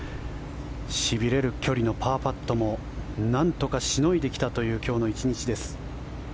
しびれる距離のパーパットもなんとかしのいできたという今日の１日です。